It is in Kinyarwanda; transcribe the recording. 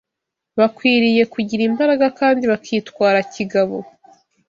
Bakwiriye kugira imbaraga kandi bakitwara kigabo